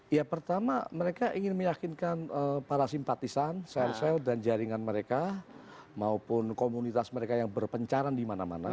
ya pertama mereka ingin meyakinkan para simpatisan sel sel dan jaringan mereka maupun komunitas mereka yang berpencaran di mana mana